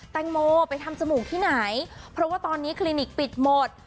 แตงโมไปทำจมูกที่ไหนเพราะว่าตอนนี้คลินิกปิดหมด